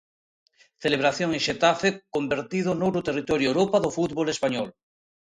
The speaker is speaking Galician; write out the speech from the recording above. Celebración en Xetafe convertido noutro territorio Europa do fútbol español.